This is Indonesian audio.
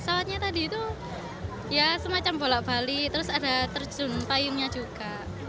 pesawatnya tadi itu ya semacam bolak balik terus ada terjun payungnya juga